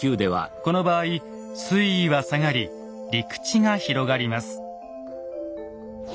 この場合水位は下がり陸地が広がります。